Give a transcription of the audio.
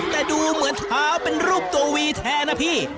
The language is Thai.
แต่ดูเหมือนเท้าเป็นรูปตัววีแทนนะพี่